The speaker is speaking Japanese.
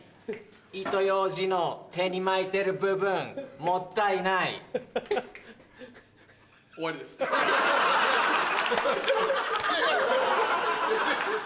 糸ようじの手に巻いてる部分もったいないえぇ！